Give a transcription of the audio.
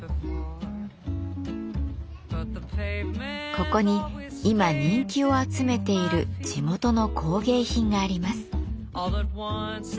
ここに今人気を集めている地元の工芸品があります。